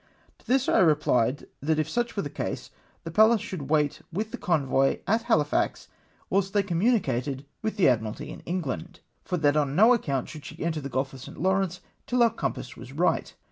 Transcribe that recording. To this I replied, that if such were the case, the Pallas should wait with the convoy at Hahfax whilst they communicated with the Admiralty in England ! for that on no account should she enter the Gulf of St, La^\Tonce till our compass was right.